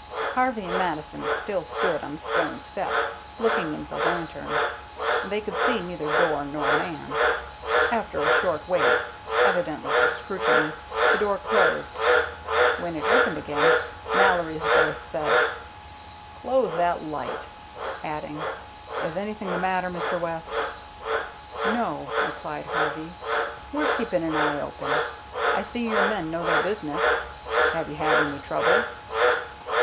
Harvey and Mattison still stood on the stone step, looking into the lantern. They could see neither door nor man. After a short wait, evidently for scrutiny, the door closed. When it opened again, Mallory's voice said, "Close that light," adding, "Is anything the matter, Mr. West?" "No," replied Harvey. "We're keeping an eye open. I see your men know their business. Have you had any trouble?"